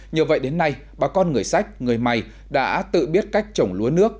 nhờ vậy đến nay bà con người sách người mày đã tự biết cách trồng lúa nước